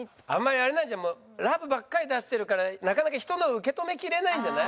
ラブばっかり出してるからなかなか人のは受け止めきれないんじゃない？